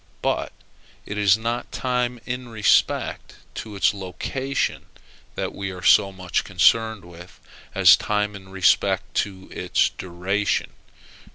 But it is not time in respect to its location that we are so much concerned with, as time in respect to its duration.